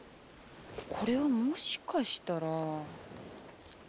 これはもしかしたら。